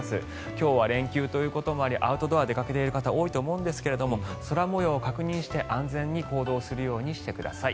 今日は連休ということもありアウトドアに出かけている方多いと思うんですが空模様を確認して安全に行動するようにしてください。